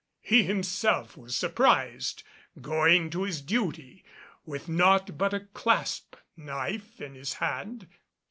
He himself was surprised going to his duty, with naught but a clasp knife in his hand.